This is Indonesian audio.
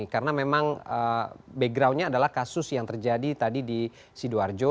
karena memang backgroundnya adalah kasus yang terjadi tadi di sidoarjo